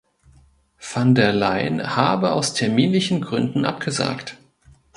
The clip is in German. Van der Leyen habe aus terminlichen Gründen abgesagt.